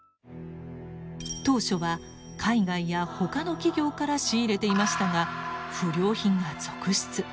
当初は海外やほかの企業から仕入れていましたが不良品が続出。